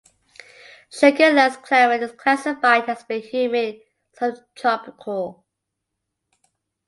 Sugar Land's climate is classified as being humid subtropical.